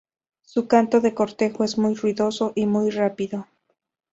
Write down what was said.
Su canto de cortejo es muy ruidoso y muy rápido.